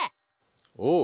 おう。